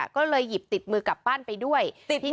ก็เลยหยิบติดมือกลับบ้านไปด้วย